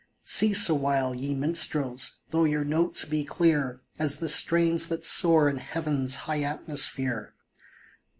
Cease awhile, ye minstrels, though your notes be clear As the strains that soar in heaven's high atmosphere